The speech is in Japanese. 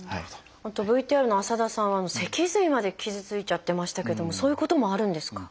あとＶＴＲの浅田さんは脊髄まで傷ついちゃってましたけどもそういうこともあるんですか？